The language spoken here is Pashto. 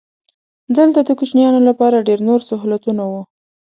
دلته د کوچیانو لپاره ډېر نور سهولتونه وو.